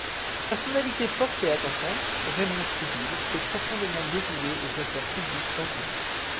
Personnalité forte et attachante, Raymond Sibille s’est profondément dévoué aux affaires publiques d’Antony.